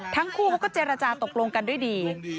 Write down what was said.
ทั้งคู่เขาก็เจรจาตกลงกันด้วยดี